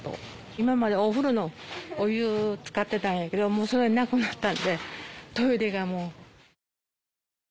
今までお風呂のお湯使ってたんやけどもうそれなくなったんでトイレがもう。